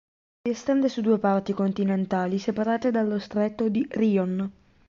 Si estende su due parti continentali separate dallo stretto di Rion.